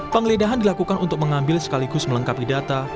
penggeledahan dilakukan untuk mengambil sekaligus melengkapi data